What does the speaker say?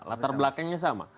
latar belakangnya sama